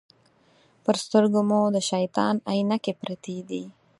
پر سترګو مو د شیطان عینکې پرتې دي.